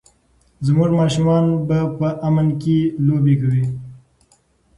زموږ ماشومان به په امن کې لوبې کوي.